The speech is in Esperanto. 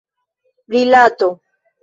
rilato